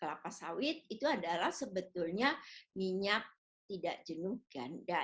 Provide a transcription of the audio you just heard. apa sawit itu adalah sebetulnya minyak tidak jenuh ganda